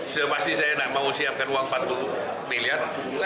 sudah pasti saya mau siapkan uang empat puluh miliar